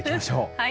はい。